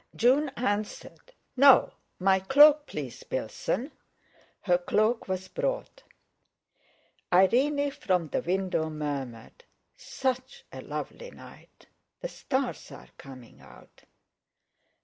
June answered: "No! My cloaks please, Bilson." Her cloak was brought. Irene, from the window, murmured: "Such a lovely night! The stars are coming out!"